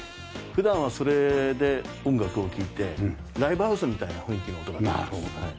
普段はそれで音楽を聴いてライブハウスみたいな大きな音が。